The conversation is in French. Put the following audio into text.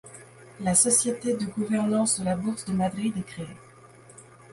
La Société de gouvernance de la Bourse de Madrid est créée.